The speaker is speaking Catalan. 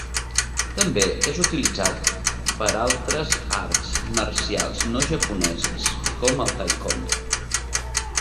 També és utilitzat per altres arts marcials no japoneses, com el taekwondo.